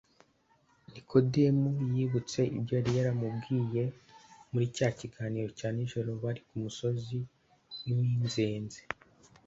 Nikodemu yibutse ibyo yari yaramubwiye muri cya kiganiro cya nijoro bari ku musozi w’iminzenze,